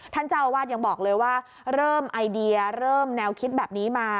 ท่านเจ้าอาวาสยังบอกเลยว่าเริ่มไอเดียเริ่มแนวคิดแบบนี้มา